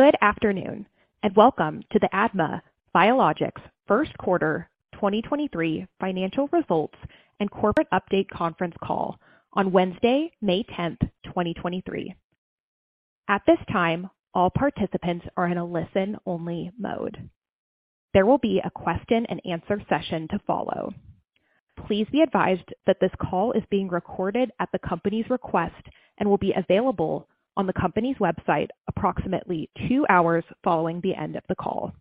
Good afternoon, and welcome to the ADMA Biologics first quarter 2023 financial results and corporate update conference call on Wednesday, May 10th, 2023. At this time, all participants are in a listen-only mode. There will be a question and answer session to follow. Please be advised that this call is being recorded at the company's request and will be available on the company's website approximately 2 hours following the end of the call.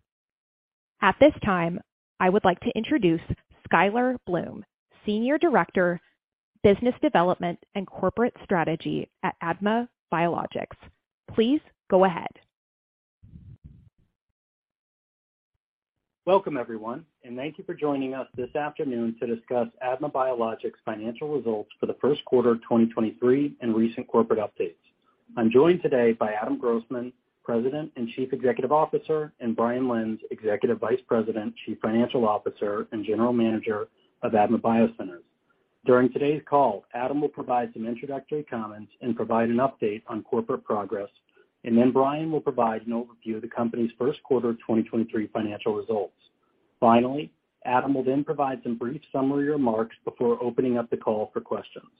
At this time, I would like to introduce Skyler Bloom, Senior Director, Business Development and Corporate Strategy at ADMA Biologics. Please go ahead. Welcome, everyone, and thank you for joining us this afternoon to discuss ADMA Biologics' financial results for the first quarter of 2023 and recent corporate updates. I'm joined today by Adam Grossman, President and Chief Executive Officer, and Brian Lenz, Executive Vice President, Chief Financial Officer, and General Manager of ADMA BioCenters. During today's call, Adam will provide some introductory comments and provide an update on corporate progress, and then Brian will provide an overview of the company's first quarter of 2023 financial results. Finally, Adam will then provide some brief summary remarks before opening up the call for questions.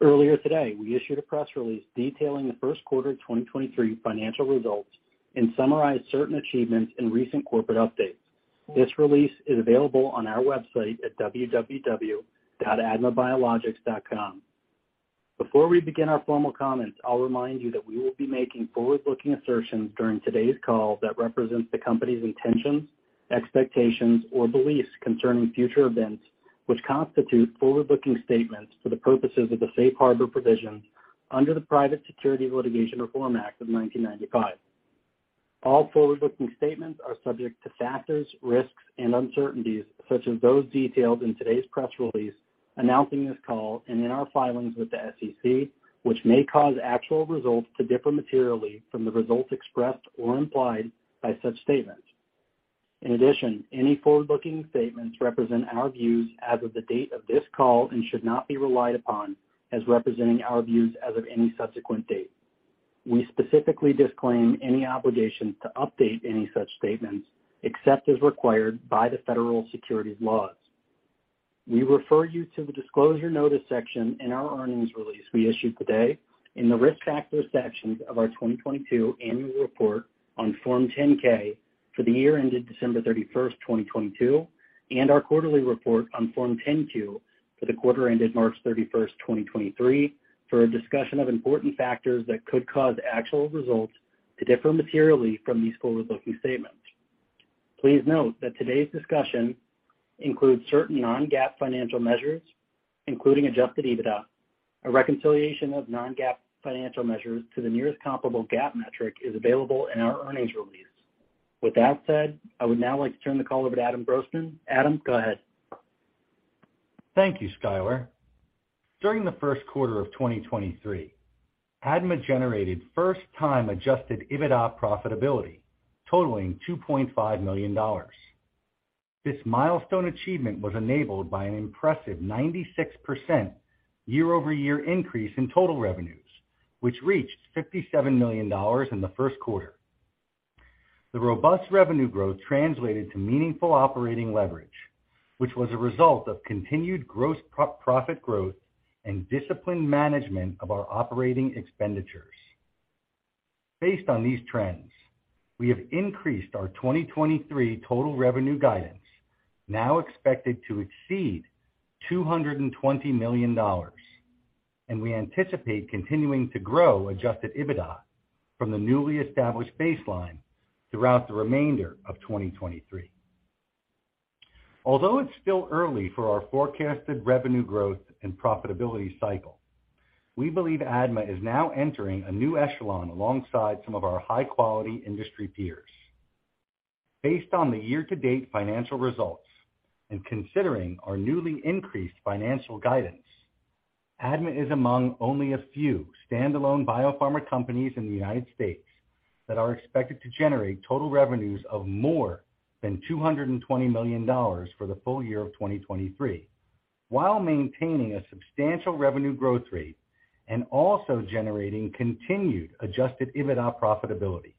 Earlier today, we issued a press release detailing the first quarter of 2023 financial results and summarized certain achievements and recent corporate updates. This release is available on our website at www.admabiologics.com. Before we begin our formal comments, I'll remind you that we will be making forward-looking assertions during today's call that represents the company's intentions, expectations, or beliefs concerning future events, which constitute forward-looking statements for the purposes of the Safe Harbor provisions under the Private Securities Litigation Reform Act of 1995. All forward-looking statements are subject to factors, risks, and uncertainties, such as those detailed in today's press release announcing this call and in our filings with the SEC, which may cause actual results to differ materially from the results expressed or implied by such statements. In addition, any forward-looking statements represent our views as of the date of this call and should not be relied upon as representing our views as of any subsequent date. We specifically disclaim any obligation to update any such statements except as required by the federal securities laws. We refer you to the Disclosure Notice section in our earnings release we issued today in the Risk Factor sections of our 2022 Annual Report on Form 10-K for the year ended December 31st, 2022, and our quarterly report on Form 10-Q for the quarter ended March 31st, 2023, for a discussion of important factors that could cause actual results to differ materially from these forward-looking statements. Please note that today's discussion includes certain non-GAAP financial measures, including adjusted EBITDA. A reconciliation of non-GAAP financial measures to the nearest comparable GAAP metric is available in our earnings release. With that said, I would now like to turn the call over to Adam Grossman. Adam, go ahead. Thank you, Skyler. During the first quarter of 2023, ADMA generated first-time adjusted EBITDA profitability totaling $2.5 million. This milestone achievement was enabled by an impressive 96% year-over-year increase in total revenues, which reached $57 million in the first quarter. The robust revenue growth translated to meaningful operating leverage, which was a result of continued gross pro-profit growth and disciplined management of our operating expenditures. Based on these trends, we have increased our 2023 total revenue guidance, now expected to exceed $220 million, we anticipate continuing to grow adjusted EBITDA from the newly established baseline throughout the remainder of 2023. Although it's still early for our forecasted revenue growth and profitability cycle, we believe ADMA is now entering a new echelon alongside some of our high-quality industry peers. Based on the year-to-date financial results and considering our newly increased financial guidance, ADMA is among only a few standalone biopharma companies in the United States that are expected to generate total revenues of more than $220 million for the full year of 2023 while maintaining a substantial revenue growth rate and also generating continued adjusted EBITDA profitability.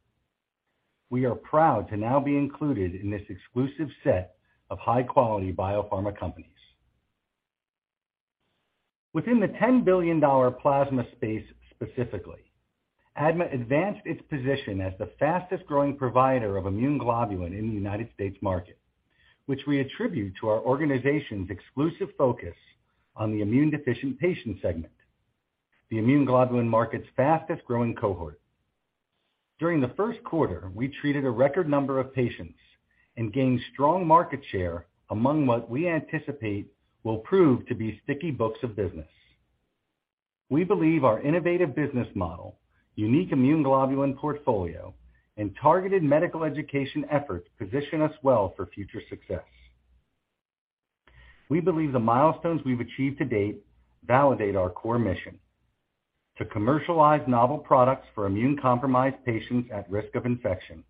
We are proud to now be included in this exclusive set of high-quality biopharma companies. Within the $10 billion plasma space specifically, ADMA advanced its position as the fastest-growing provider of immune globulin in the United States market, which we attribute to our organization's exclusive focus on the immune deficient patient segment, the immune globulin market's fastest-growing cohort. During the first quarter, we treated a record number of patients and gained strong market share among what we anticipate will prove to be sticky books of business. We believe our innovative business model, unique immune globulin portfolio, and targeted medical education efforts position us well for future success. We believe the milestones we've achieved to date validate our core mission to commercialize novel products for immune-compromised patients at risk of infection.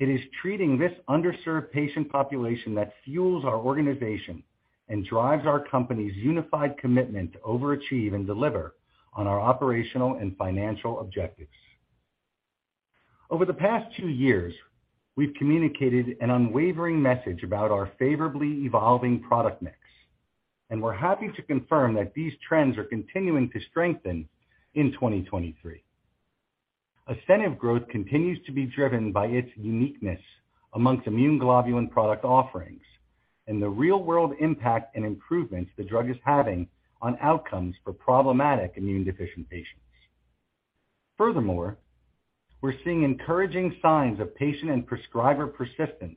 It is treating this underserved patient population that fuels our organization and drives our company's unified commitment to overachieve and deliver on our operational and financial objectives. Over the past two years, we've communicated an unwavering message about our favorably evolving product mix, and we're happy to confirm that these trends are continuing to strengthen in 2023. ASCENIV growth continues to be driven by its uniqueness amongst immune globulin product offerings and the real-world impact and improvements the drug is having on outcomes for problematic immune deficient patients. Furthermore, we're seeing encouraging signs of patient and prescriber persistence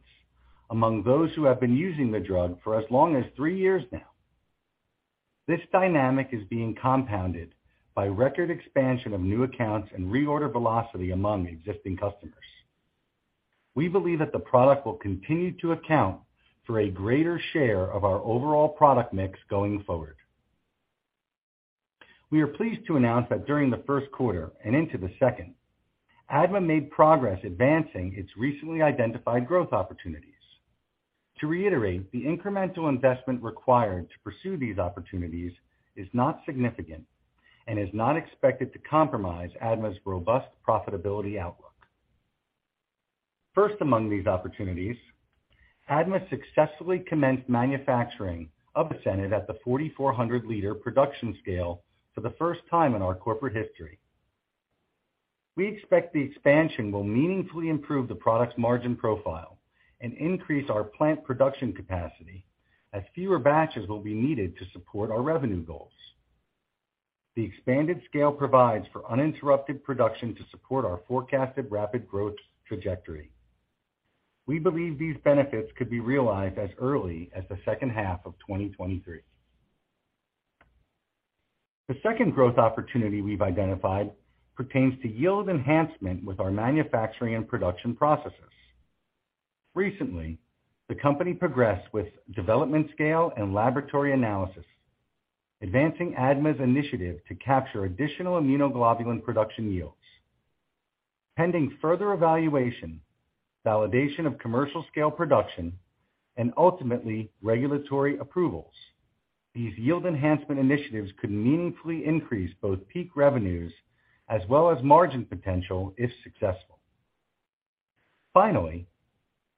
among those who have been using the drug for as long as three years now. This dynamic is being compounded by record expansion of new accounts and reorder velocity among existing customers. We believe that the product will continue to account for a greater share of our overall product mix going forward. We are pleased to announce that during the first quarter and into the second, ADMA made progress advancing its recently identified growth opportunities. To reiterate, the incremental investment required to pursue these opportunities is not significant and is not expected to compromise ADMA's robust profitability outlook. First, among these opportunities, ADMA successfully commenced manufacturing of ASCENIV at the 4,400 liter production scale for the first time in our corporate history. We expect the expansion will meaningfully improve the product's margin profile and increase our plant production capacity as fewer batches will be needed to support our revenue goals. The expanded scale provides for uninterrupted production to support our forecasted rapid growth trajectory. We believe these benefits could be realized as early as the second half of 2023. The second growth opportunity we've identified pertains to yield enhancement with our manufacturing and production processes. Recently, the company progressed with development scale and laboratory analysis, advancing ADMA's initiative to capture additional immunoglobulin production yields. Pending further evaluation, validation of commercial scale production, and ultimately regulatory approvals, these yield enhancement initiatives could meaningfully increase both peak revenues as well as margin potential if successful.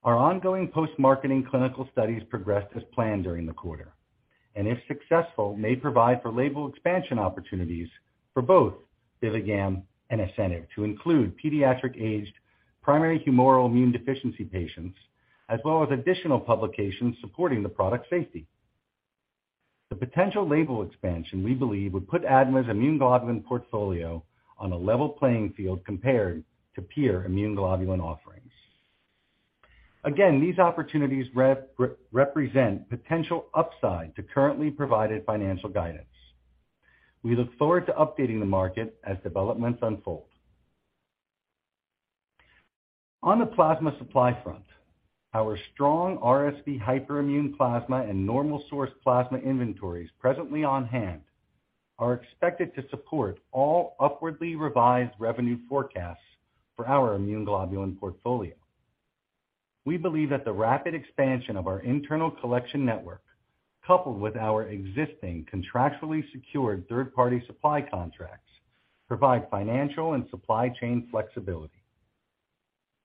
Our ongoing post-marketing clinical studies progressed as planned during the quarter, and if successful, may provide for label expansion opportunities for both BIVIGAM and ASCENIV to include pediatric-aged primary humoral immunodeficiency patients, as well as additional publications supporting the product safety. The potential label expansion, we believe, would put ADMA's immune globulin portfolio on a level playing field compared to peer immune globulin offerings. These opportunities represent potential upside to currently provided financial guidance. We look forward to updating the market as developments unfold. On the plasma supply front, our strong RSV hyperimmune plasma and normal source plasma inventories presently on hand are expected to support all upwardly revised revenue forecasts for our immune globulin portfolio. We believe that the rapid expansion of our internal collection network, coupled with our existing contractually secured third-party supply contracts, provide financial and supply chain flexibility.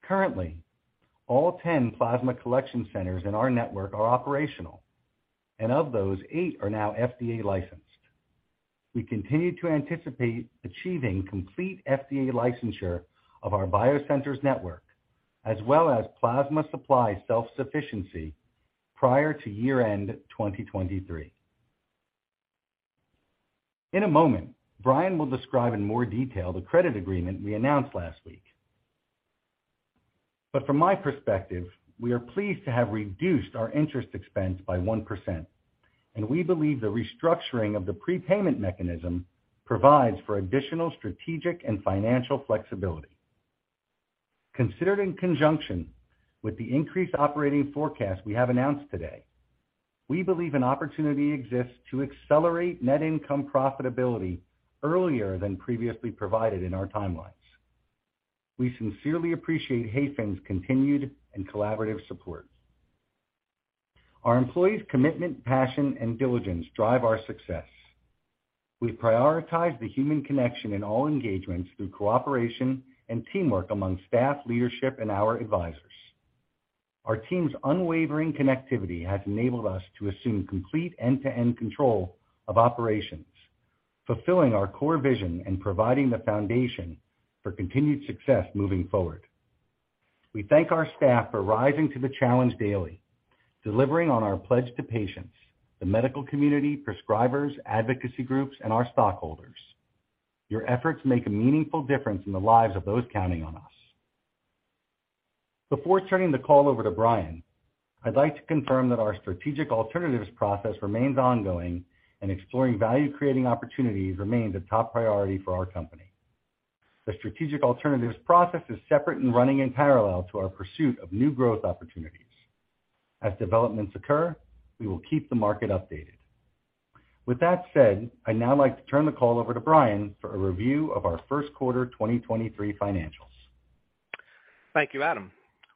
Currently, all 10 plasma collection centers in our network are operational, and of those, eight are now FDA licensed. We continue to anticipate achieving complete FDA licensure of our ADMA BioCenters network, as well as plasma supply self-sufficiency prior to year-end 2023. In a moment, Brian will describe in more detail the credit agreement we announced last week. From my perspective, we are pleased to have reduced our interest expense by 1%, and we believe the restructuring of the prepayment mechanism provides for additional strategic and financial flexibility. Considered in conjunction with the increased operating forecast we have announced today, we believe an opportunity exists to accelerate net income profitability earlier than previously provided in our timelines. We sincerely appreciate Hayfin's continued and collaborative support. Our employees' commitment, passion, and diligence drive our success. We prioritize the human connection in all engagements through cooperation and teamwork among staff, leadership, and our advisors. Our team's unwavering connectivity has enabled us to assume complete end-to-end control of operations, fulfilling our core vision and providing the foundation for continued success moving forward. We thank our staff for rising to the challenge daily, delivering on our pledge to patients, the medical community, prescribers, advocacy groups, and our stockholders. Your efforts make a meaningful difference in the lives of those counting on us. Before turning the call over to Brian, I'd like to confirm that our strategic alternatives process remains ongoing and exploring value-creating opportunities remains a top priority for our company. The strategic alternatives process is separate and running in parallel to our pursuit of new growth opportunities. As developments occur, we will keep the market updated. With that said, I'd now like to turn the call over to Brian for a review of our first quarter 2023 financials. Thank you, Adam.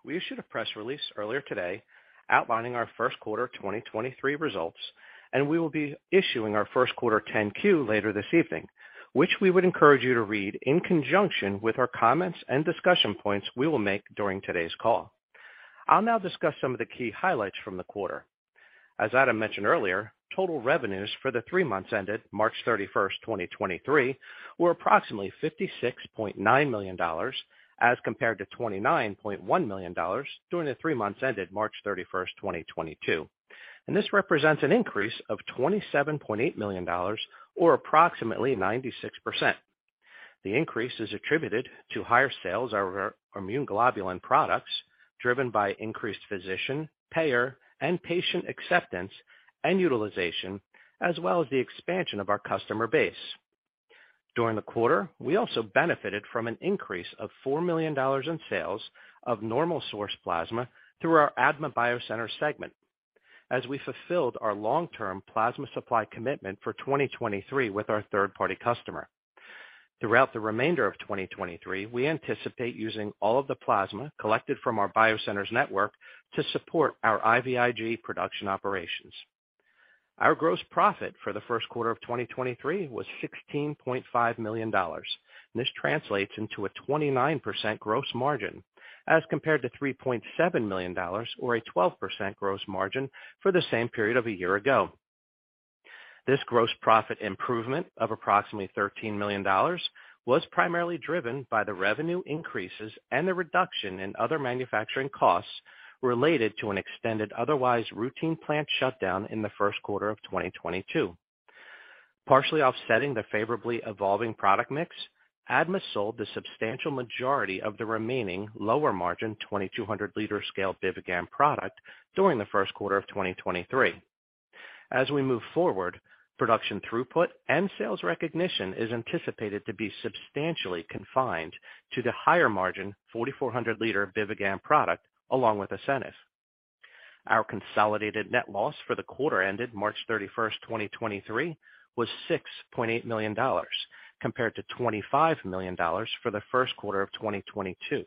We issued a press release earlier today outlining our first quarter 2023 results, and we will be issuing our first quarter 10-Q later this evening, which we would encourage you to read in conjunction with our comments and discussion points we will make during today's call. I'll now discuss some of the key highlights from the quarter. As Adam mentioned earlier, total revenues for the three months ended March 31st, 2023 were approximately $56.9 million, as compared to $29.1 million during the three months ended March 31st, 2022. This represents an increase of $27.8 million, or approximately 96%. The increase is attributed to higher sales of our immune globulin products, driven by increased physician, payer, and patient acceptance and utilization, as well as the expansion of our customer base. During the quarter, we also benefited from an increase of $4 million in sales of normal source plasma through our ADMA BioCenter segment as we fulfilled our long-term plasma supply commitment for 2023 with our third-party customer. Throughout the remainder of 2023, we anticipate using all of the plasma collected from our BioCenters network to support our IVIG production operations. Our gross profit for the first quarter of 2023 was $16.5 million. This translates into a 29% gross margin as compared to $3.7 million or a 12% gross margin for the same period of a year ago. This gross profit improvement of approximately $13 million was primarily driven by the revenue increases and the reduction in other manufacturing costs related to an extended otherwise routine plant shutdown in the first quarter of 2022. Partially offsetting the favorably evolving product mix, ADMA sold the substantial majority of the remaining lower-margin 2,200 liter scale BIVIGAM product during the first quarter of 2023. We move forward, production throughput and sales recognition is anticipated to be substantially confined to the higher margin 4,400 liter BIVIGAM product along with ASCENIV. Our consolidated net loss for the quarter ended March 31st, 2023 was $6.8 million, compared to $25 million for the first quarter of 2022.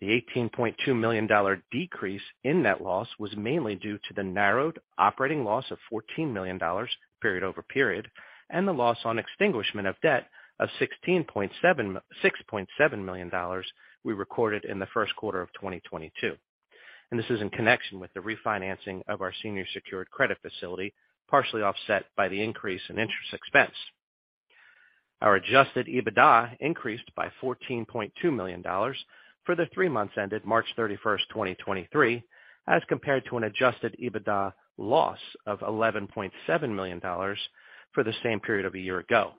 The $18.2 million decrease in net loss was mainly due to the narrowed operating loss of $14 million period-over-period and the loss on extinguishment of debt of $6.7 million we recorded in the first quarter of 2022. This is in connection with the refinancing of our senior secured credit facility, partially offset by the increase in interest expense. Our adjusted EBITDA increased by $14.2 million for the three months ended March 31, 2023, as compared to an adjusted EBITDA loss of $11.7 million for the same period of a year ago.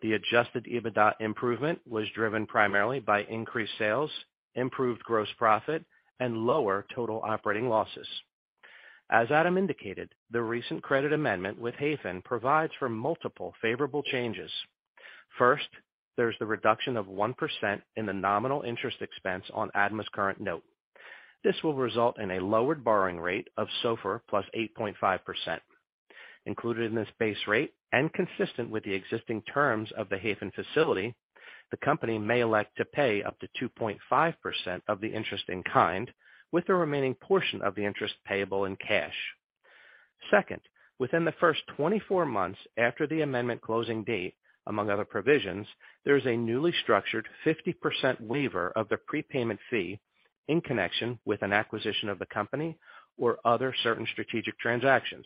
The adjusted EBITDA improvement was driven primarily by increased sales, improved gross profit, and lower total operating losses. As Adam indicated, the recent credit amendment with Hayfin provides for multiple favorable changes. First, there's the reduction of 1% in the nominal interest expense on ADMA's current note. This will result in a lowered borrowing rate of SOFR plus 8.5%. Included in this base rate and consistent with the existing terms of the Hayfin facility, the company may elect to pay up to 2.5% of the interest in kind, with the remaining portion of the interest payable in cash. Second, within the first 24 months after the amendment closing date, among other provisions, there is a newly structured 50% waiver of the prepayment fee in connection with an acquisition of the company or other certain strategic transactions.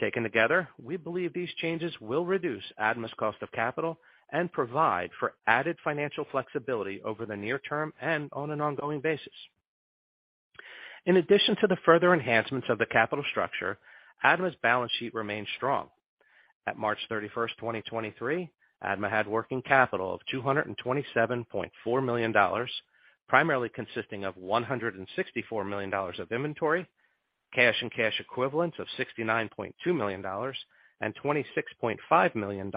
Taken together, we believe these changes will reduce ADMA's cost of capital and provide for added financial flexibility over the near term and on an ongoing basis. In addition to the further enhancements of the capital structure, ADMA's balance sheet remains strong. At March 31st, 2023, ADMA had working capital of $227.4 million, primarily consisting of $164 million of inventory, cash and cash equivalents of $69.2 million, and $26.5 million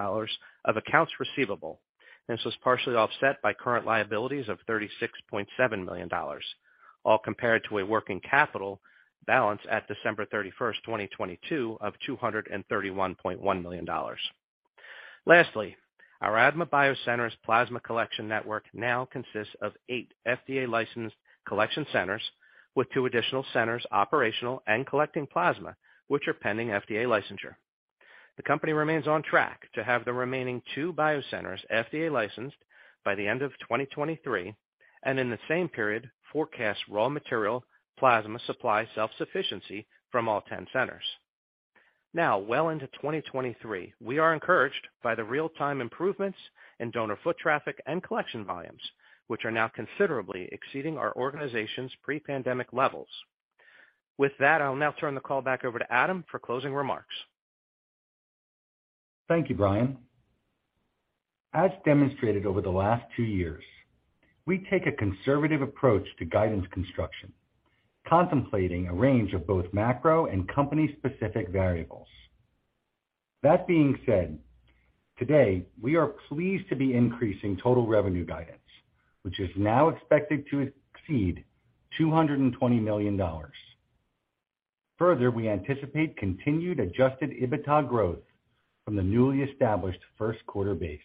of accounts receivable. This was partially offset by current liabilities of $36.7 million, all compared to a working capital balance at December 31st, 2022 of $231.1 million. Our ADMA BioCenters plasma collection network now consists of eight FDA-licensed collection centers with two additional centers operational and collecting plasma, which are pending FDA licensure. The company remains on track to have the remaining two BioCenters FDA licensed by the end of 2023 and in the same period forecasts raw material plasma supply self-sufficiency from all 10 centers. Well into 2023, we are encouraged by the real-time improvements in donor foot traffic and collection volumes, which are now considerably exceeding our organization's pre-pandemic levels. With that, I'll now turn the call back over to Adam for closing remarks. Thank you, Brian. As demonstrated over the last two years, we take a conservative approach to guidance construction, contemplating a range of both macro and company-specific variables. That being said, Today, we are pleased to be increasing total revenue guidance, which is now expected to exceed $220 million. Further, we anticipate continued adjusted EBITDA growth from the newly established first quarter base.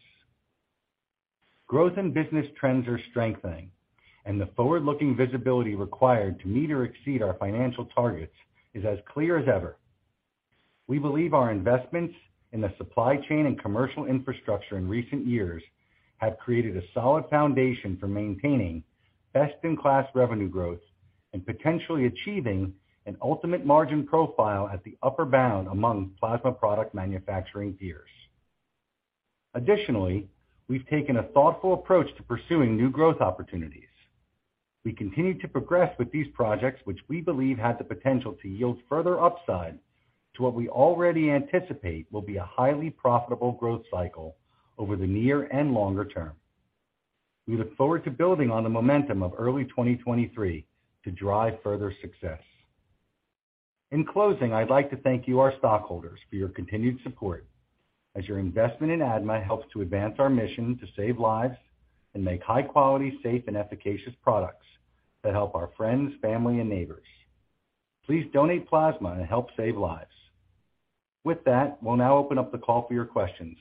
Growth in business trends are strengthening and the forward-looking visibility required to meet or exceed our financial targets is as clear as ever. We believe our investments in the supply chain and commercial infrastructure in recent years have created a solid foundation for maintaining best-in-class revenue growth and potentially achieving an ultimate margin profile at the upper bound among plasma product manufacturing peers. Additionally, we've taken a thoughtful approach to pursuing new growth opportunities. We continue to progress with these projects, which we believe have the potential to yield further upside to what we already anticipate will be a highly profitable growth cycle over the near and longer term. We look forward to building on the momentum of early 2023 to drive further success. In closing, I'd like to thank you, our stockholders, for your continued support as your investment in ADMA helps to advance our mission to save lives and make high-quality, safe, and efficacious products that help our friends, family, and neighbors. Please donate plasma and help save lives. With that, we'll now open up the call for your questions.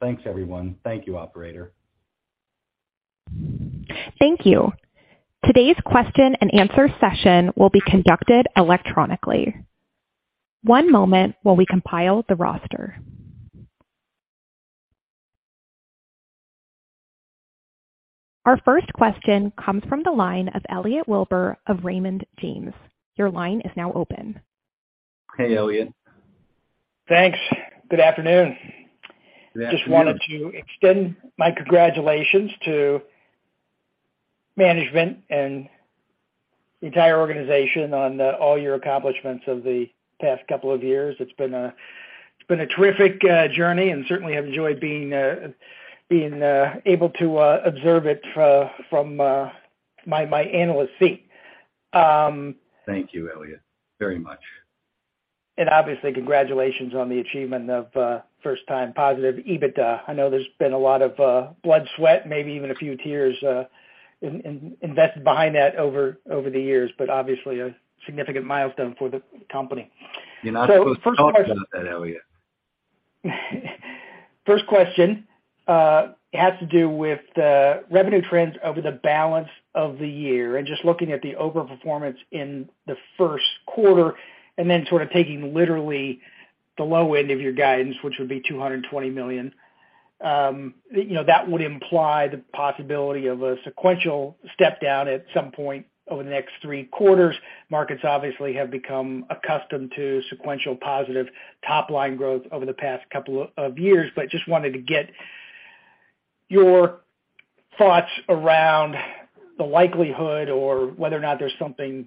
Thanks, everyone. Thank you, operator. Thank you. Today's question and answer session will be conducted electronically. One moment while we compile the roster. Our first question comes from the line of Elliot Wilbur of Raymond James. Your line is now open. Hey, Elliot. Thanks. Good afternoon. Good afternoon. Just wanted to extend my congratulations to management and the entire organization on, all your accomplishments of the past couple of years. It's been a terrific journey and certainly have enjoyed being able to observe it from my analyst seat. Thank you, Elliot, very much. Obviously, congratulations on the achievement of, first-time positive EBITDA. I know there's been a lot of, blood, sweat, maybe even a few tears, invested behind that over the years, but obviously a significant milestone for the company. You're not supposed to talk about that, Elliot. First question has to do with the revenue trends over the balance of the year and just looking at the overperformance in the first quarter and then sort of taking literally the low end of your guidance, which would be $220 million. You know, that would imply the possibility of a sequential step down at some point over the next three quarters. Markets obviously have become accustomed to sequential positive top-line growth over the past couple of years. Just wanted to get your thoughts around the likelihood or whether or not there's something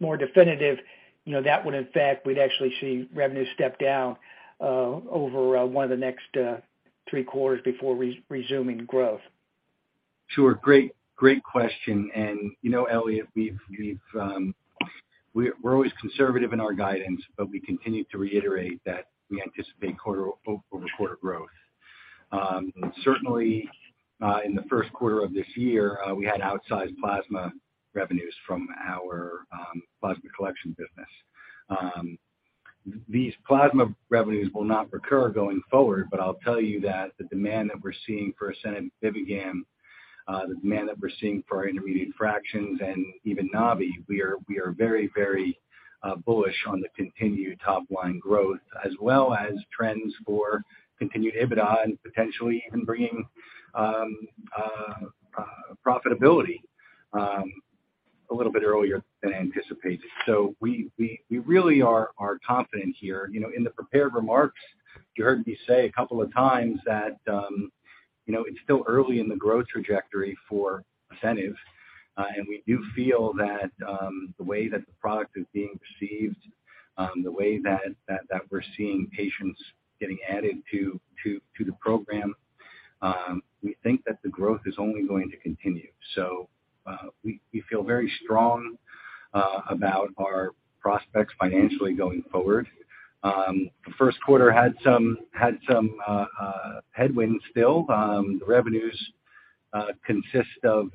more definitive, you know, that would affect, we'd actually see revenue step down over one of the next three quarters before resuming growth. Sure. Great, great question. You know, Elliot, we've, we're always conservative in our guidance, but we continue to reiterate that we anticipate quarter-over-quarter growth. Certainly, in the first quarter of this year, we had outsized plasma revenues from our plasma collection business. These plasma revenues will not recur going forward, but I'll tell you that the demand that we're seeing for ASCENIV BIVIGAM, the demand that we're seeing for our intermediate fractions and even Nabi-HB, we are very, very bullish on the continued top-line growth as well as trends for continued EBITDA and potentially even bringing profitability a little bit earlier than anticipated. We really are confident here. You know, in the prepared remarks, you heard me say a couple of times that, you know, it's still early in the growth trajectory for ASCENIV, we do feel that the way that the product is being received, the way that we're seeing patients getting added to the program, we think that the growth is only going to continue. We feel very strong about our prospects financially going forward. The first quarter had some headwinds still. The revenues consist of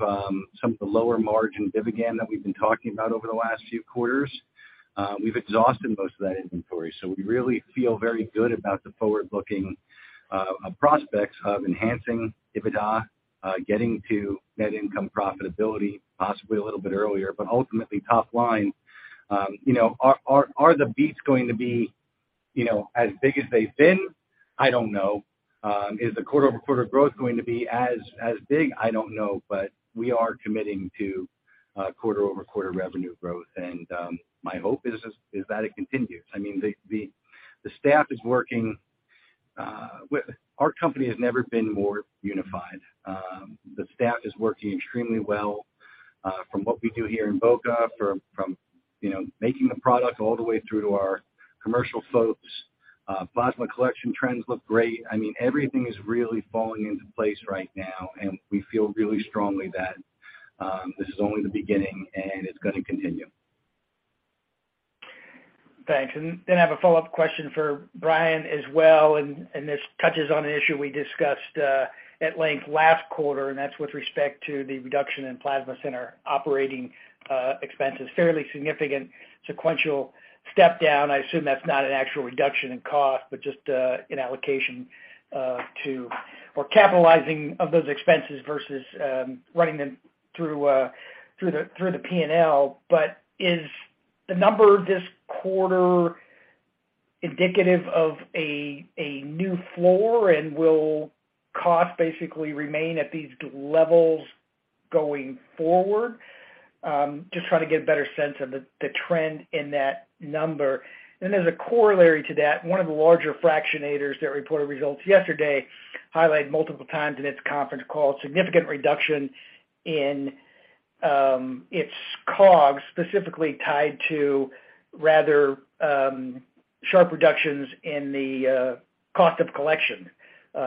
some of the lower margin BIVIGAM that we've been talking about over the last few quarters. We've exhausted most of that inventory, so we really feel very good about the forward-looking prospects of enhancing EBITDA, getting to net income profitability possibly a little bit earlier. Ultimately, top line, you know, are the beats going to be, you know, as big as they've been? I don't know. Is the quarter-over-quarter growth going to be as big? I don't know. We are committing to quarter-over-quarter revenue growth and my hope is that it continues. I mean, the staff is working. Our company has never been more unified. The staff is working extremely well from what we do here in Boca, from, you know, making the product all the way through to our commercial folks. Plasma collection trends look great. I mean, everything is really falling into place right now, and we feel really strongly that this is only the beginning and it's gonna continue. Thanks. Then I have a follow-up question for Brian as well, and this touches on an issue we discussed at length last quarter, and that's with respect to the reduction in plasma center operating expenses. Fairly significant sequential step down. I assume that's not an actual reduction in cost, but just an allocation to or capitalizing of those expenses versus running them through the P&L. Is the number this quarter indicative of a new floor and will cost basically remain at these levels going forward? Just trying to get a better sense of the trend in that number. There's a corollary to that. One of the larger fractionators that reported results yesterday highlighted multiple times in its conference call, significant reduction in its COGS, specifically tied to rather sharp reductions in the cost of collection.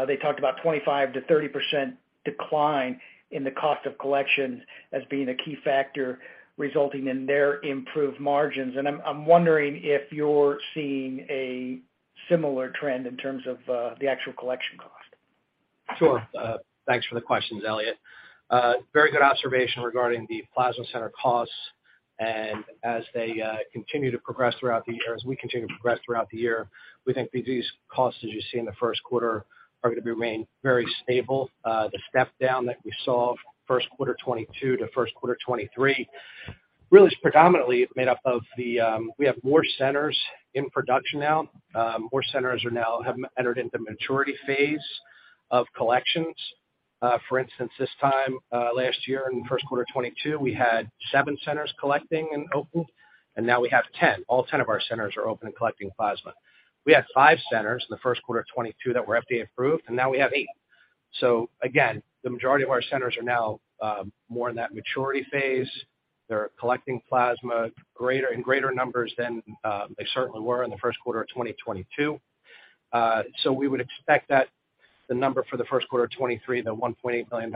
They talked about 25% to 30% decline in the cost of collection as being a key factor resulting in their improved margins. I'm wondering if you're seeing a similar trend in terms of the actual collection cost. Sure. Thanks for the questions, Elliot. Very good observation regarding the plasma center costs. As they continue to progress throughout the year, as we continue to progress throughout the year, we think these costs, as you see in the first quarter, are going to remain very stable. The step down that we saw first quarter 2022 to first quarter 2023 really is predominantly made up of the. We have more centers in production now. More centers are now have entered into maturity phase of collections. For instance, this time last year in first quarter 2022, we had 7 centers collecting and open, and now we have 10. All 10 of our centers are open and collecting plasma. We had 5 centers in the first quarter of 2022 that were FDA approved, and now we have 8. Again, the majority of our centers are now more in that maturity phase. They're collecting plasma greater, in greater numbers than they certainly were in the first quarter of 2022. We would expect that the number for the first quarter of 2023, the $1.8 million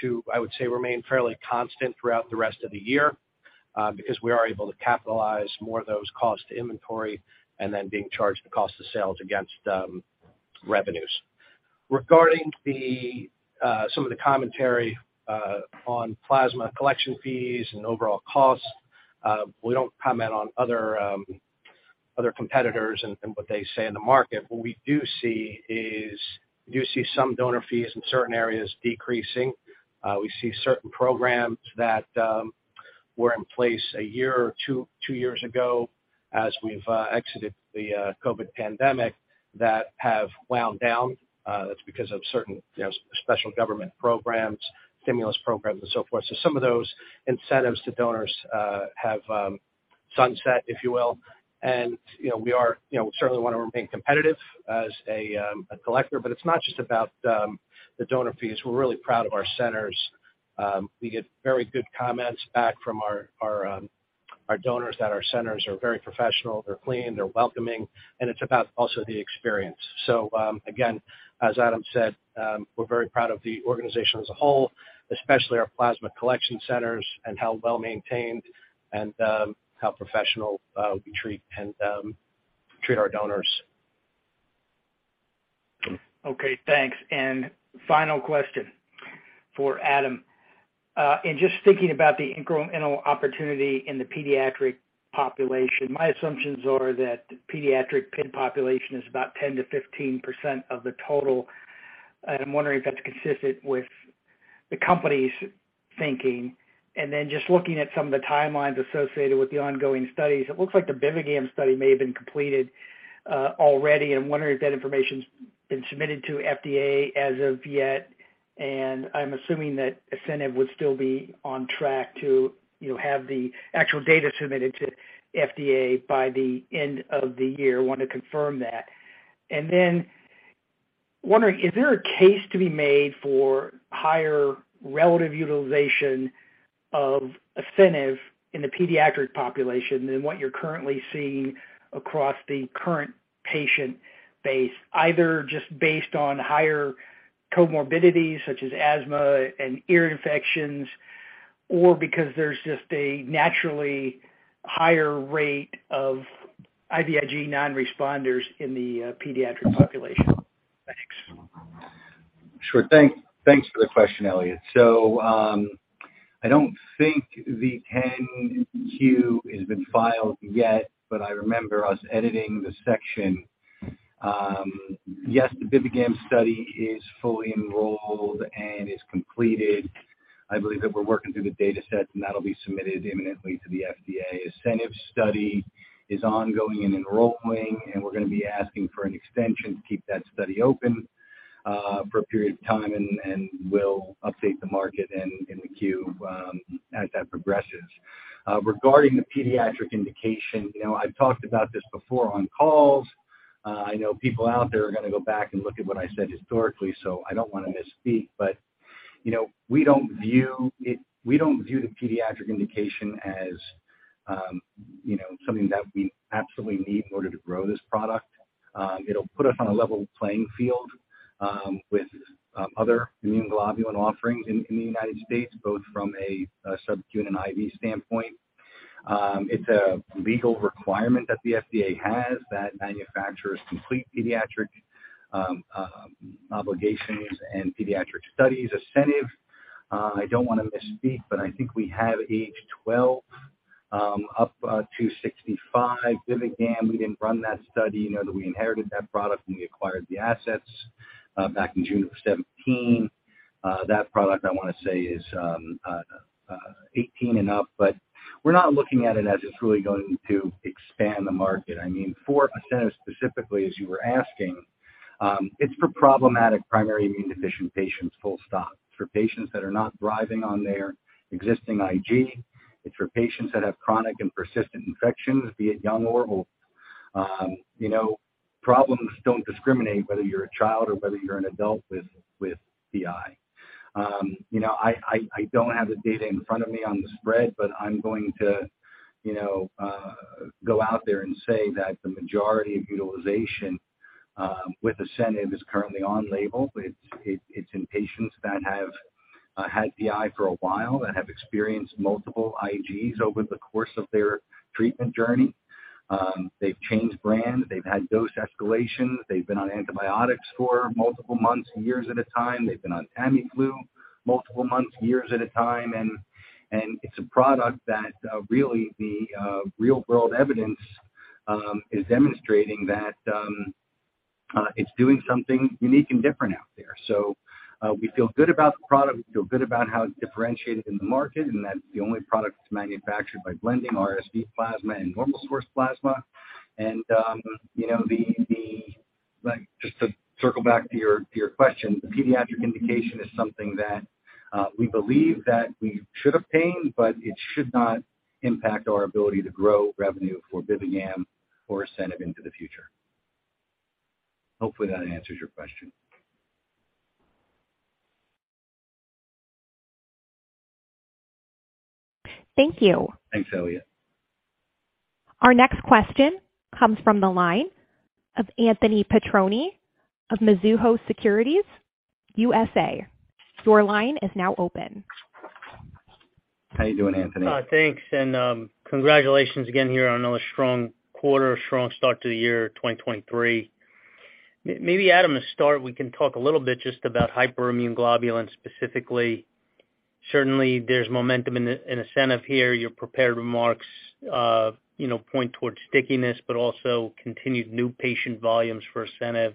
to, I would say, remain fairly constant throughout the rest of the year, because we are able to capitalize more of those costs to inventory and then being charged the cost of sales against revenues. Regarding the some of the commentary on plasma collection fees and overall costs, we don't comment on other competitors and what they say in the market. What we do see is we do see some donor fees in certain areas decreasing. We see certain programs that were in place a year or two years ago as we've exited the COVID pandemic that have wound down. That's because of certain, you know, special government programs, stimulus programs and so forth. Some of those incentives to donors have sunset, if you will. You know, we are, you know, certainly want to remain competitive as a collector, but it's not just about the donor fees. We're really proud of our centers. We get very good comments back from our donors that our centers are very professional, they're clean, they're welcoming, and it's about also the experience. Again, as Adam said, we're very proud of the organization as a whole, especially our plasma collection centers and how well maintained and, how professional, we treat our donors. Okay, thanks. Final question for Adam. In just thinking about the incremental opportunity in the pediatric population, my assumptions are that the pediatric population is about 10%-15% of the total. I'm wondering if that's consistent with the company's thinking. Just looking at some of the timelines associated with the ongoing studies, it looks like the BIVIGAM study may have been completed already. I'm wondering if that information's been submitted to FDA as of yet, and I'm assuming that ASCENIV would still be on track to, you know, have the actual data submitted to FDA by the end of the year. Want to confirm that. Wondering, is there a case to be made for higher relative utilization of ASCENIV in the pediatric population than what you're currently seeing across the current patient base, either just based on higher comorbidities such as asthma and ear infections, or because there's just a naturally higher rate of IVIG non-responders in the pediatric population? Thanks. Sure. Thanks for the question, Elliot. I don't think the 10-Q has been filed yet, but I remember us editing the section. Yes, the BIVIGAM study is fully enrolled and is completed. I believe that we're working through the data sets and that'll be submitted imminently to the FDA. ASCENIV study is ongoing and enrolling, and we're gonna be asking for an extension to keep that study open for a period of time and we'll update the market in the Q as that progresses. Regarding the pediatric indication, you know, I've talked about this before on calls. I know people out there are gonna go back and look at what I said historically, so I don't wanna misspeak. you know, we don't view the pediatric indication as, you know, something that we absolutely need in order to grow this product. It'll put us on a level playing field With other immune globulin offerings in the United States, both from a subQ and IV standpoint. It's a legal requirement that the FDA has that manufacturers complete pediatric obligations and pediatric studies. ASCENIV, I don't want to misspeak, but I think we have age 12 up to 65. BIVIGAM, we didn't run that study, you know, that we inherited that product when we acquired the assets back in June of 2017. That product I want to say is 18 and up, but we're not looking at it as it's really going to expand the market. I mean, for ASCENIV specifically, as you were asking, it's for problematic primary immune deficient patients, full stop. It's for patients that are not thriving on their existing IG. It's for patients that have chronic and persistent infections, be it young or old. You know, problems don't discriminate whether you're a child or whether you're an adult with PI. You know, I, I don't have the data in front of me on the spread, but I'm going to, you know, go out there and say that the majority of utilization with ASCENIV is currently on label. It's in patients that have had PI for a while, that have experienced multiple IGs over the course of their treatment journey. They've changed brands, they've had dose escalation, they've been on antibiotics for multiple months and years at a time. They've been on Tamiflu multiple months, years at a time. It's a product that really the real world evidence is demonstrating that it's doing something unique and different out there. We feel good about the product. We feel good about how it's differentiated in the market, and that's the only product that's manufactured by blending RSV plasma and normal source plasma. you know, Like, just to circle back to your question, the pediatric indication is something that we believe that we should obtain, but it should not impact our ability to grow revenue for BIVIGAM or ASCENIV into the future. Hopefully that answers your question. Thank you. Thanks, Elliot. Our next question comes from the line of Anthony Petrone of Mizuho Securities USA. Your line is now open. How you doing, Anthony? Thanks, and congratulations again here on another strong quarter, strong start to the year 2023. Maybe, Adam, to start, we can talk a little bit just about hyperimmune globulin specifically. Certainly, there's momentum in ASCENIV here. Your prepared remarks, you know, point towards stickiness but also continued new patient volumes for ASCENIV.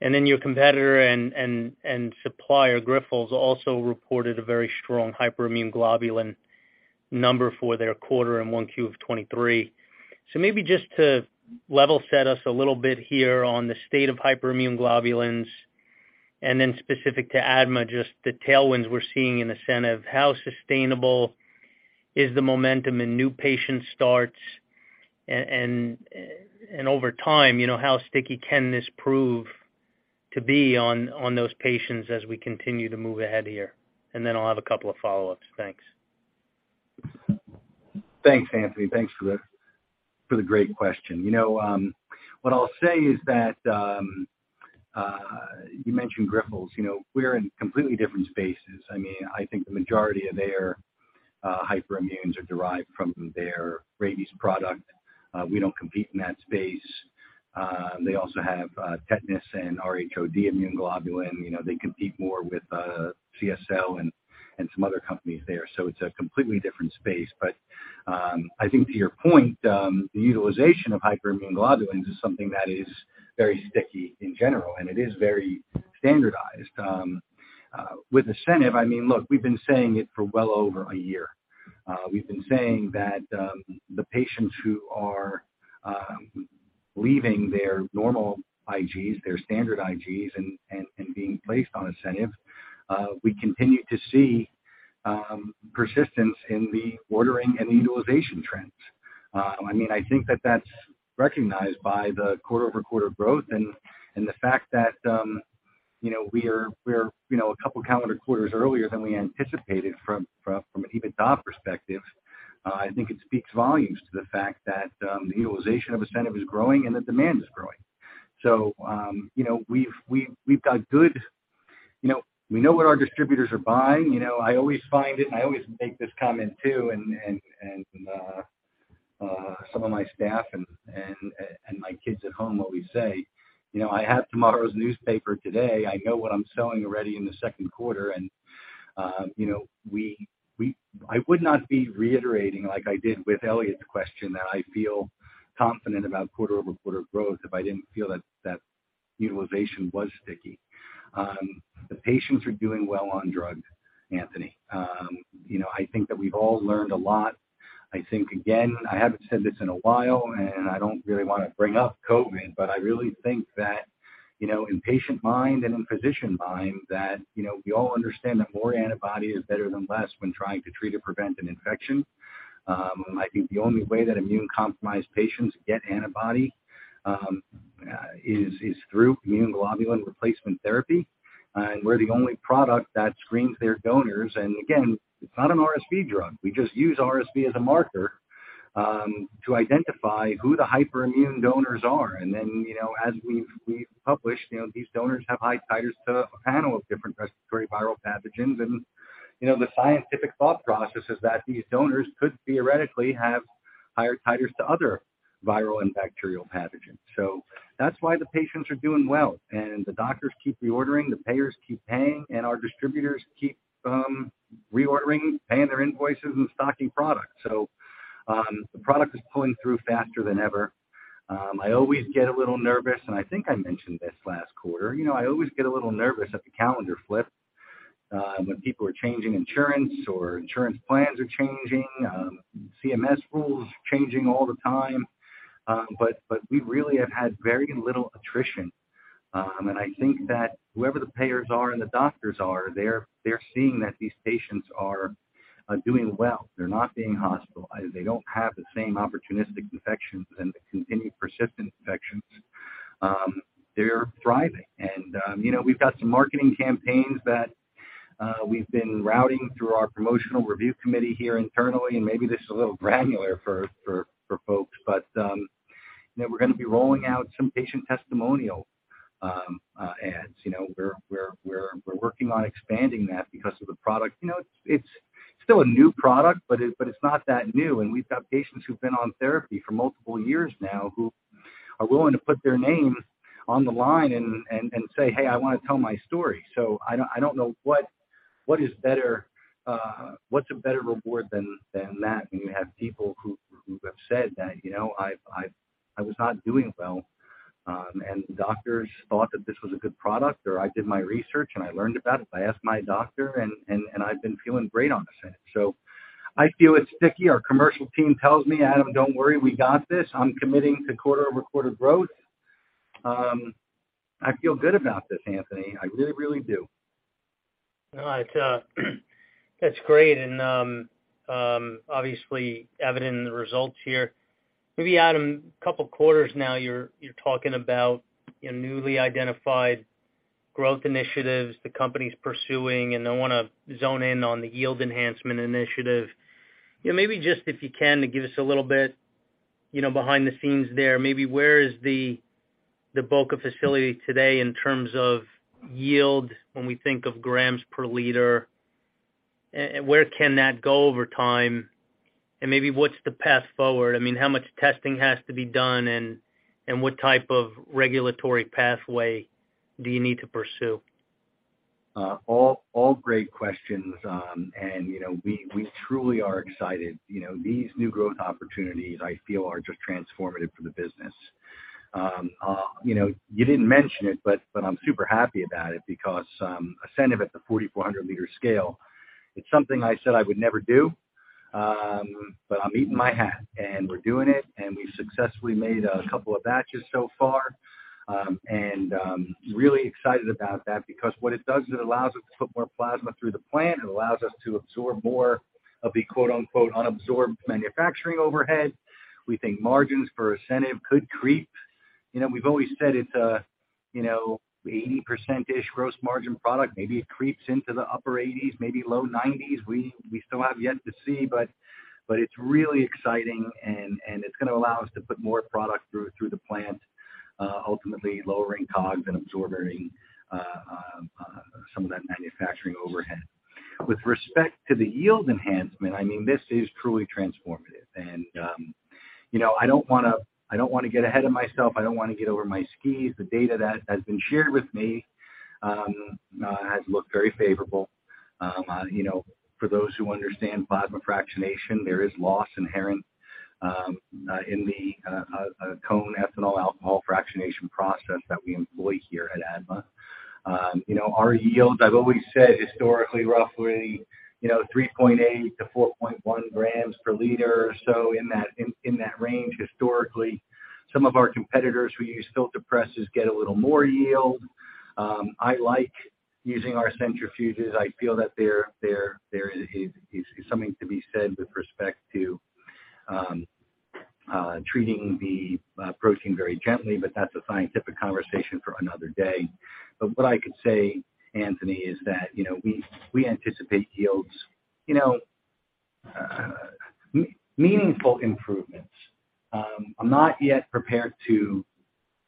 Then your competitor and supplier, Grifols, also reported a very strong hyperimmune globulin number for their quarter in 1Q of 2023. Maybe just to level set us a little bit here on the state of hyperimmune globulins, and then specific to ADMA, just the tailwinds we're seeing in ASCENIV, how sustainable is the momentum in new patient starts? And over time, you know, how sticky can this prove to be on those patients as we continue to move ahead here? Then I'll have a couple of follow-ups. Thanks. Thanks, Anthony. Thanks for the great question. You know, what I'll say is that you mentioned Grifols. You know, we're in completely different spaces. I mean, I think the majority of their hyperimmunes are derived from their rabies product. We don't compete in that space. They also have tetanus and Rho(D) immune globulin. You know, they compete more with CSL and some other companies there. It's a completely different space. I think to your point, the utilization of hyperimmune globulins is something that is very sticky in general, and it is very standardized. With ASCENIV, I mean, look, we've been saying it for well over a year. We've been saying that the patients who are leaving their normal IGs, their standard IGs, and being placed on ASCENIV, we continue to see persistence in the ordering and utilization trends. I mean, I think that that's recognized by the quarter-over-quarter growth and the fact that, you know, we're, you know, a couple calendar quarters earlier than we anticipated from an EBITDA perspective. I think it speaks volumes to the fact that the utilization of ASCENIV is growing and the demand is growing. You know, we've got good... You know, we know what our distributors are buying. You know, I always find it, and I always make this comment too, and some of my staff and my kids at home always say, "You know, I have tomorrow's newspaper today. I know what I'm selling already in the second quarter." You know, I would not be reiterating like I did with Elliot's question that I feel confident about quarter-over-quarter growth if I didn't feel that that utilization was sticky. The patients are doing well on drug, Anthony. You know, I think that we've all learned a lot. I think, again, I haven't said this in a while, and I don't really wanna bring up COVID, but I really think that, you know, in patient mind and in physician mind, that, you know, we all understand that more antibody is better than less when trying to treat or prevent an infection. I think the only way that immune compromised patients get antibody is through immune globulin replacement therapy. We're the only product that screens their donors. Again, it's not an RSV drug. We just use RSV as a marker to identify who the hyperimmune donors are. Then, you know, as we've published, you know, these donors have high titers to a panel of different respiratory viral pathogens. You know, the scientific thought process is that these donors could theoretically have higher titers to other viral and bacterial pathogens. That's why the patients are doing well, and the doctors keep reordering, the payers keep paying, and our distributors keep reordering, paying their invoices, and stocking product. The product is pulling through faster than ever. I always get a little nervous, and I think I mentioned this last quarter. You know, I always get a little nervous at the calendar flip, when people are changing insurance or insurance plans are changing, CMS rules changing all the time. But we really have had very little attrition. And I think that whoever the payers are and the doctors are, they're seeing that these patients are doing well. They're not being hospitalized. They don't have the same opportunistic infections and the continued persistent infections. They're thriving. You know, we've got some marketing campaigns that we've been routing through our promotional review committee here internally, and maybe this is a little granular for folks. You know, we're gonna be rolling out some patient testimonial ads. You know, we're working on expanding that because of the product. You know, it's still a new product, but it's not that new. We've got patients who've been on therapy for multiple years now who are willing to put their name on the line and say, "Hey, I wanna tell my story." I don't know what is better, what's a better reward than that when you have people who have said that, you know, "I was not doing well, and the doctors thought that this was a good product," or, "I did my research, and I learned about it. I asked my doctor, and I've been feeling great on ASCENIV." I feel it's sticky. Our commercial team tells me, "Adam, don't worry. We got this. I'm committing to quarter-over-quarter growth." I feel good about this, Anthony. I really, really do. No, it's, that's great and, obviously evident in the results here. Maybe, Adam, a couple quarters now, you're talking about your newly identified growth initiatives the company's pursuing, and I wanna zone in on the yield enhancement initiative. You know, maybe just, if you can, to give us a little bit, you know, behind the scenes there, maybe where is the bulk of facility today in terms of yield when we think of grams per liter? Where can that go over time? Maybe what's the path forward? I mean, how much testing has to be done, and what type of regulatory pathway do you need to pursue? All great questions. You know, we truly are excited. You know, these new growth opportunities I feel are just transformative for the business. You know, you didn't mention it, but I'm super happy about it because ASCENIV at the 4,400 liter scale, it's something I said I would never do, but I'm eating my hat. We're doing it, and we've successfully made a couple of batches so far. I'm really excited about that because what it does is it allows us to put more plasma through the plant. It allows us to absorb more of the, quote-unquote, "unabsorbed manufacturing overhead." We think margins for ASCENIV could creep. You know, we've always said it's a, you know, 80%-ish gross margin product. Maybe it creeps into the upper 80s, maybe low 90s. We still have yet to see, but it's really exciting, and it's gonna allow us to put more product through the plant, ultimately lowering COGS and absorbing some of that manufacturing overhead. With respect to the yield enhancement, I mean, this is truly transformative. you know, I don't wanna get ahead of myself. I don't wanna get over my skis. The data that has been shared with me has looked very favorable. you know, for those who understand plasma fractionation, there is loss inherent in the Cohn cold ethanol fractionation process that we employ here at ADMA. you know, our yields, I've always said historically, roughly, you know, 3.8 to 4.1 grams per liter, so in that range historically. Some of our competitors who use filter presses get a little more yield. I like using our centrifuges. I feel that there is something to be said with respect to treating the protein very gently, but that's a scientific conversation for another day. What I can say, Anthony, is that, you know, we anticipate yields, you know, meaningful improvements. I'm not yet prepared to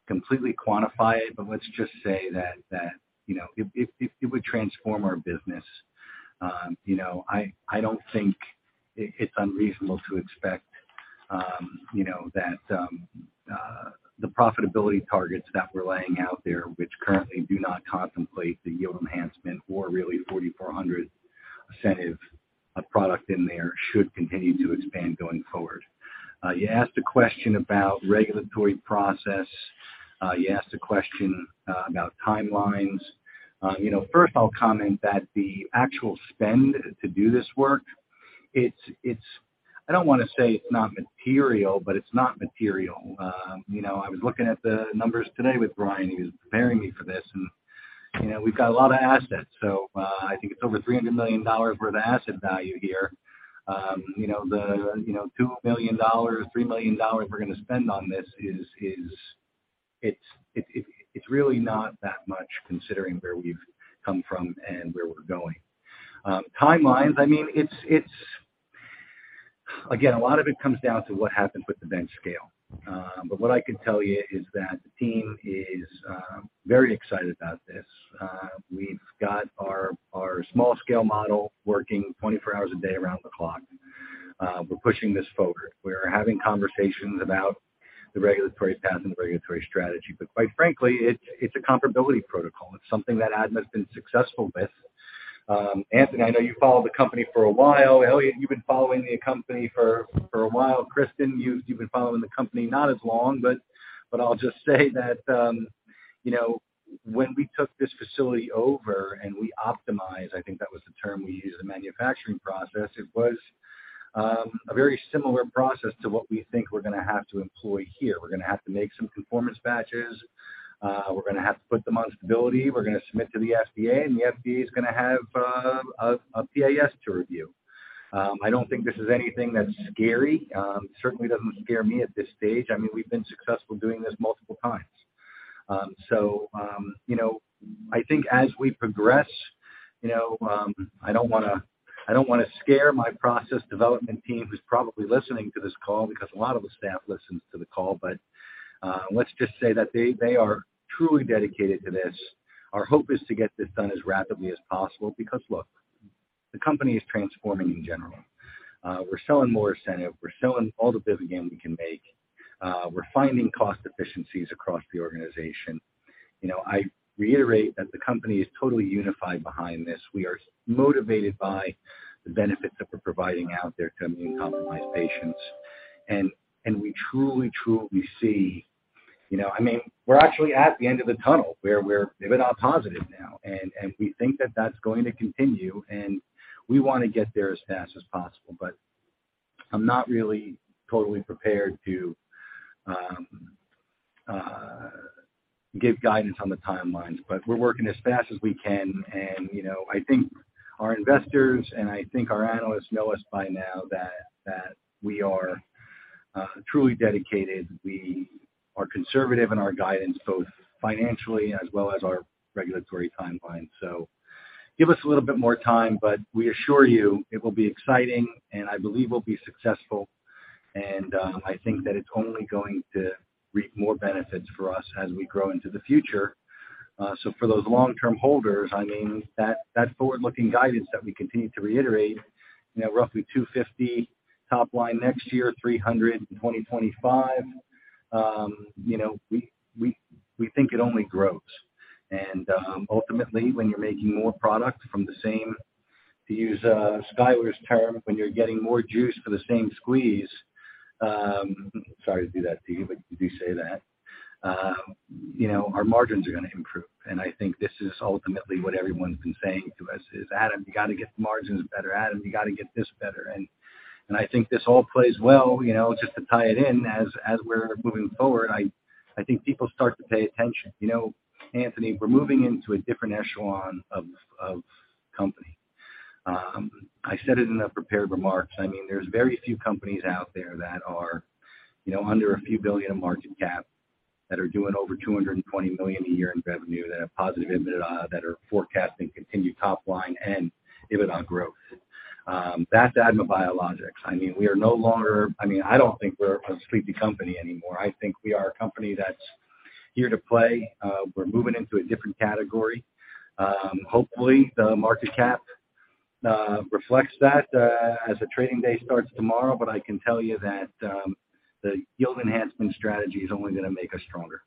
completely quantify it, but let's just say that, you know, it would transform our business. You know, I don't think it's unreasonable to expect, you know, that the profitability targets that we're laying out there, which currently do not contemplate the yield enhancement or really the 4,400 ASCENIV of product in there should continue to expand going forward. You asked a question about regulatory process. You asked a question about timelines. You know, first I'll comment that the actual spend to do this work, I don't wanna say it's not material, but it's not material. You know, I was looking at the numbers today with Brian, who's preparing me for this, and, you know, we've got a lot of assets. I think it's over $300 million worth of asset value here. You know, $2 million, $3 million we're gonna spend on this, it's really not that much considering where we've come from and where we're going. Timelines, I mean, it's again, a lot of it comes down to what happens with the bench scale. What I can tell you is that the team is very excited about this. We've got our small scale model working 24 hours a day around the clock. We're pushing this forward. We're having conversations about the regulatory path and the regulatory strategy, but quite frankly, it's a comparability protocol. It's something that ADMA's been successful with. Anthony, I know you followed the company for a while. Elliot, you've been following the company for a while. Kristen, you've been following the company not as long, but I'll just say that, you know, when we took this facility over and we optimized, I think that was the term we used, the manufacturing process, it was a very similar process to what we think we're gonna have to employ here. We're gonna have to make some conformance batches. We're gonna have to put them on stability. We're gonna submit to the FDA, and the FDA is gonna have a PAS to review. I don't think this is anything that's scary. Certainly doesn't scare me at this stage. I mean, we've been successful doing this multiple times. You know, I think as we progress, you know, I don't wanna scare my process development team who's probably listening to this call because a lot of the staff listens to the call, but let's just say that they are truly dedicated to this. Our hope is to get this done as rapidly as possible because look, the company is transforming in general. We're selling more ASCENIV, we're selling all the BIVIGAM we can make, we're finding cost efficiencies across the organization. You know, I reiterate that the company is totally unified behind this. We are motivated by the benefits that we're providing out there to immune compromised patients. We truly see, you know, I mean, we're actually at the end of the tunnel where we're EBITDA positive now, and we think that that's going to continue, and we wanna get there as fast as possible. I'm not really totally prepared to give guidance on the timelines. We're working as fast as we can, and, you know, I think our investors and I think our analysts know us by now that we are truly dedicated. We are conservative in our guidance, both financially as well as our regulatory timeline. Give us a little bit more time, but we assure you it will be exciting and I believe we'll be successful. I think that it's only going to reap more benefits for us as we grow into the future. So for those long-term holders, I mean, that forward-looking guidance that we continue to reiterate, you know, roughly $250 top line next year, $300 in 2025. You know, we think it only grows. Ultimately, when you're making more product from the same... To use Skyler's term, when you're getting more juice for the same squeeze, sorry to do that to you, but you say that. You know, our margins are gonna improve. I think this is ultimately what everyone's been saying to us is, "Adam, you got to get the margins better. Adam, you got to get this better." I think this all plays well, you know, just to tie it in as we're moving forward, I think people start to pay attention. You know, Anthony, we're moving into a different echelon of company. I said it in the prepared remarks. I mean, there's very few companies out there that are, you know, under a few billion of market cap that are doing over $220 million a year in revenue, that have positive EBITDA, that are forecasting continued top line and EBITDA growth. That's ADMA Biologics. I mean, we are no longer... I mean, I don't think we're a sleepy company anymore. I think we are a company that's here to play. We're moving into a different category. Hopefully, the market cap reflects that as the trading day starts tomorrow. I can tell you that, the yield enhancement strategy is only gonna make us stronger.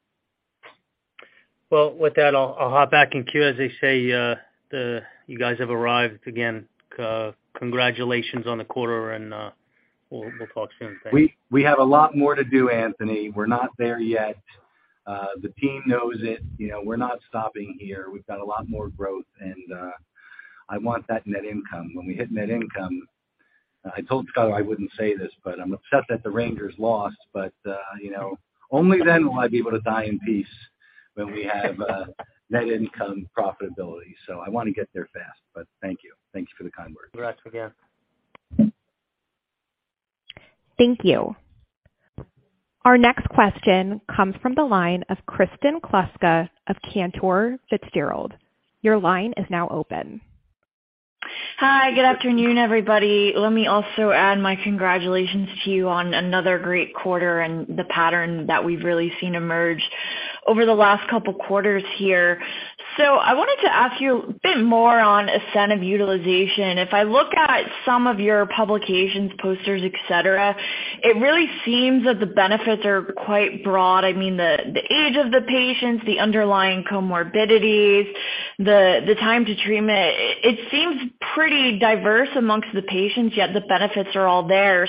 Well, with that, I'll hop back in queue as they say, you guys have arrived. Again, congratulations on the quarter and, we'll talk soon. Thanks. We have a lot more to do, Anthony. We're not there yet. The team knows it. You know, we're not stopping here. We've got a lot more growth, and I want that net income. When we hit net income, I told Skyler I wouldn't say this, but I'm upset that the Rangers lost. You know, only then will I be able to die in peace when we have net income profitability. I wanna get there fast. Thank you. Thanks for the kind words. Congrats again. Thank you. Our next question comes from the line of Kristen Kluska of Cantor Fitzgerald. Your line is now open. Hi. Good afternoon, everybody. Let me also add my congratulations to you on another great quarter and the pattern that we've really seen emerge over the last couple quarters here. I wanted to ask you a bit more on ASCENIV utilization. If I look at some of your publications, posters, et cetera, it really seems that the benefits are quite broad. I mean, the age of the patients, the underlying comorbidities, the time to treatment, it seems pretty diverse amongst the patients, yet the benefits are all there.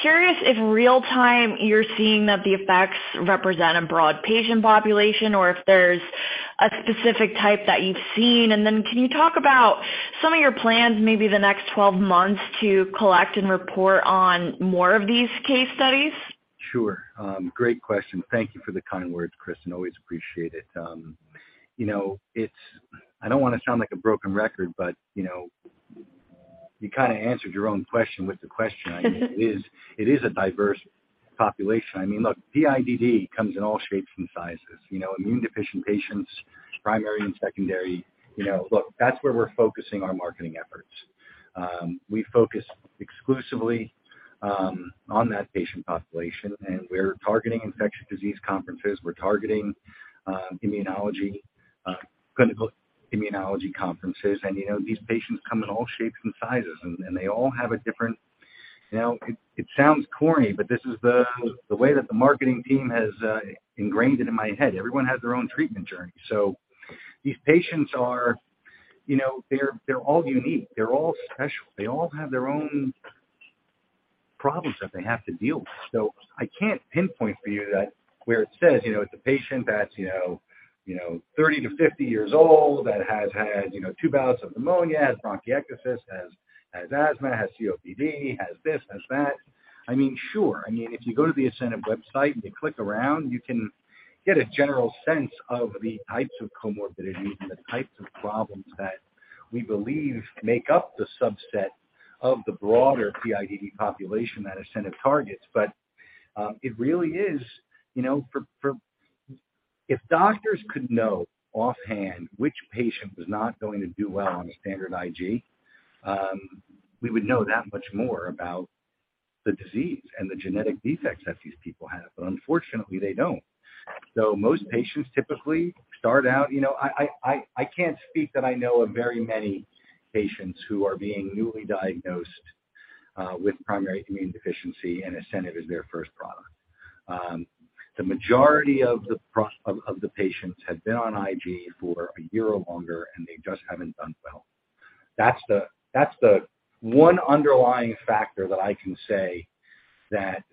Curious if real-time you're seeing that the effects represent a broad patient population or if there's a specific type that you've seen. Can you talk about some of your plans maybe the next 12 months to collect and report on more of these case studies? Sure. Great question. Thank you for the kind words, Kristen. Always appreciate it. You know, it's, I don't wanna sound like a broken record, but, you know, you kind of answered your own question with the question. It is a diverse population. I mean, look, PIDD comes in all shapes and sizes. You know, immune deficient patients, primary and secondary. You know, look, that's where we're focusing our marketing efforts. We focus exclusively on that patient population, and we're targeting infectious disease conferences. We're targeting immunology, clinical immunology conferences. You know, these patients come in all shapes and sizes, and they all have a different. You know, it sounds corny, but this is the way that the marketing team has ingrained it in my head. Everyone has their own treatment journey. These patients are, you know, they're all unique. They're all special. They all have their own problems that they have to deal with. I can't pinpoint for you that where it says, you know, it's a patient that's, you know, you know, 30 to 50 years old that has had, you know, two bouts of pneumonia, has bronchiectasis, has asthma, has COPD, has this, has that. I mean, sure. I mean, if you go to the ASCENIV website and you click around, you can get a general sense of the types of comorbidities and the types of problems that we believe make up the subset of the broader PIDD population that ASCENIV targets. It really is, you know, for... If doctors could know offhand which patient was not going to do well on a standard IG, we would know that much more about the disease and the genetic defects that these people have. Unfortunately, they don't. Most patients typically start out, you know, I can't speak that I know of very many patients who are being newly diagnosed with primary immune deficiency, and ASCENIV is their first product. The majority of the patients have been on IG for 1 year or longer, and they just haven't done well. That's the one underlying factor that I can say that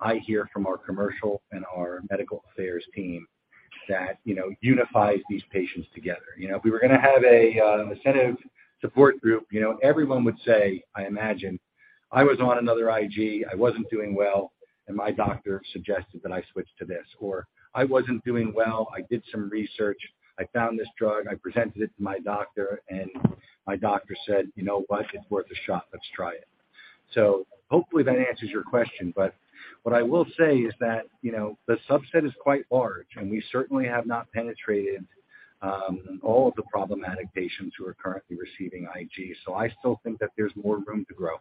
I hear from our commercial and our medical affairs team that, you know, unifies these patients together. You know, if we were gonna have a ASCENIV support group, you know, everyone would say, I imagine, "I was on another IG, I wasn't doing well, and my doctor suggested that I switch to this," or, "I wasn't doing well, I did some research, I found this drug, I presented it to my doctor, and my doctor said, 'You know what? It's worth a shot. Let's try it.'" Hopefully that answers your question, but what I will say is that, you know, the subset is quite large, and we certainly have not penetrated all of the problematic patients who are currently receiving IG. I still think that there's more room to grow.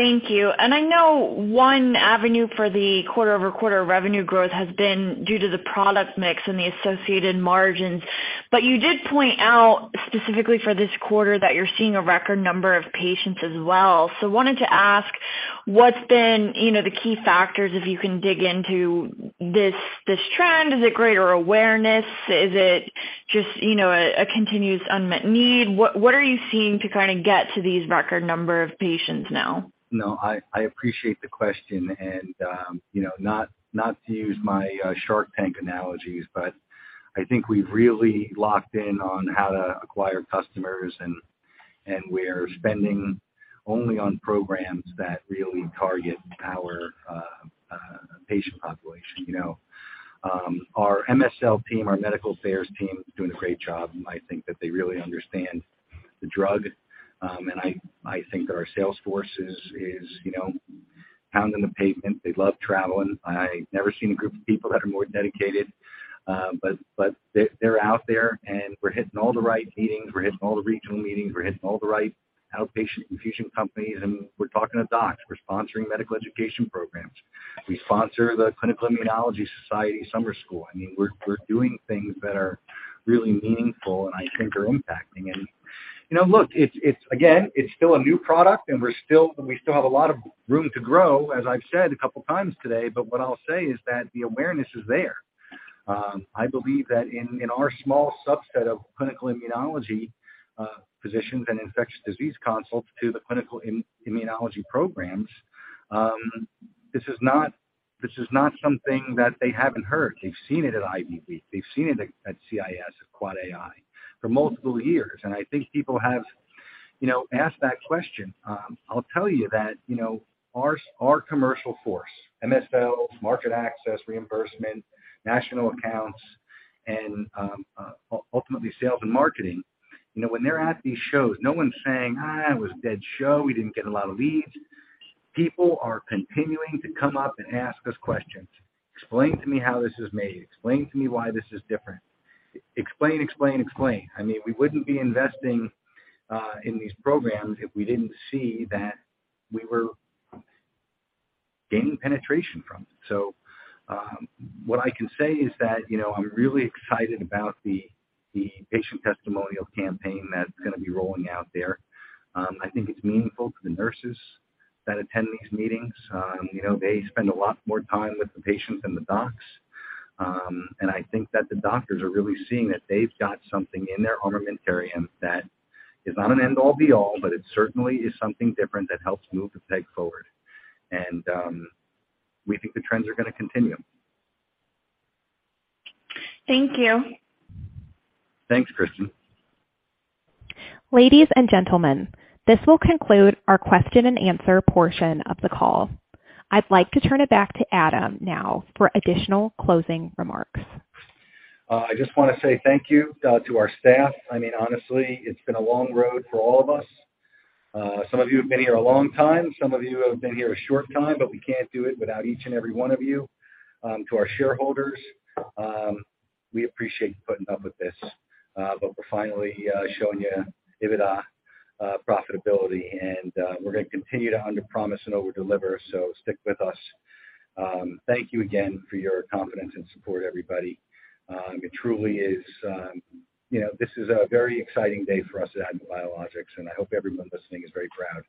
Thank you. I know one avenue for the quarter-over-quarter revenue growth has been due to the product mix and the associated margins, but you did point out specifically for this quarter that you're seeing a record number of patients as well. Wanted to ask, what's been, you know, the key factors, if you can dig into this trend. Is it greater awareness? Is it just, you know, a continuous unmet need? What are you seeing to kinda get to these record number of patients now? I appreciate the question and, you know, not to use my Shark Tank analogies, but I think we've really locked in on how to acquire customers and we're spending only on programs that really target our patient population. You know, our MSL team, our medical affairs team is doing a great job. I think that they really understand the drug. I think that our sales force is, you know, pounding the pavement. They love traveling. I've never seen a group of people that are more dedicated. They're out there, and we're hitting all the right meetings. We're hitting all the regional meetings. We're hitting all the right outpatient infusion companies, and we're talking to docs. We're sponsoring medical education programs. We sponsor the Clinical Immunology Society summer school. I mean, we're doing things that are really meaningful and I think are impacting. you know, look, it's, again, it's still a new product and we still have a lot of room to grow, as I've said a couple times today, but what I'll say is that the awareness is there. I believe that in our small subset of clinical immunology, physicians and infectious disease consults to the clinical immunology programs, this is not something that they haven't heard. They've seen it at IDWeek. They've seen it at CIS, at AAAAI for multiple years. I think people have, you know, asked that question. I'll tell you that, you know, our commercial force, MSLs, market access, reimbursement, national accounts, and ultimately sales and marketing, you know, when they're at these shows, no one's saying, "It was a dead show. We didn't get a lot of leads." People are continuing to come up and ask us questions. "Explain to me how this is made. Explain to me why this is different." Explain, explain. I mean, we wouldn't be investing in these programs if we didn't see that we were gaining penetration from it. What I can say is that, you know, I'm really excited about the patient testimonial campaign that's gonna be rolling out there. I think it's meaningful to the nurses that attend these meetings. You know, they spend a lot more time with the patient than the docs. I think that the doctors are really seeing that they've got something in their armamentarium that is not an end all be all, but it certainly is something different that helps move the peg forward. We think the trends are going to continue. Thank you. Thanks, Kristen. Ladies and gentlemen, this will conclude our question and answer portion of the call. I'd like to turn it back to Adam now for additional closing remarks. I just wanna say thank you to our staff. I mean, honestly, it's been a long road for all of us. Some of you have been here a long time, some of you have been here a short time, but we can't do it without each and every one of you. To our shareholders, we appreciate you putting up with this. But we're finally showing you EBITDA profitability and we're gonna continue to underpromise and overdeliver, so stick with us. Thank you again for your confidence and support, everybody. It truly is, you know, this is a very exciting day for us at ADMA Biologics, and I hope everyone listening is very proud.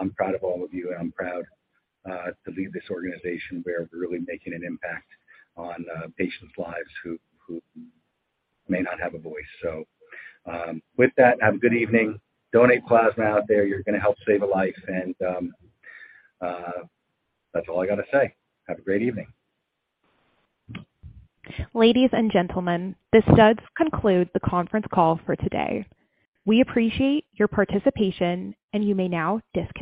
I'm proud of all of you, and I'm proud to lead this organization where we're really making an impact on patients' lives who may not have a voice. With that, have a good evening. Donate plasma out there. You're gonna help save a life. That's all I gotta say. Have a great evening. Ladies and gentlemen, this does conclude the conference call for today. We appreciate your participation, and you may now disconnect.